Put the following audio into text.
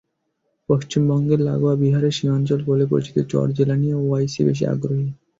পশ্চিমবঙ্গের লাগোয়া বিহারের সীমাঞ্চল বলে পরিচিত চার জেলা নিয়ে ওয়াইসি বেশি আগ্রহী।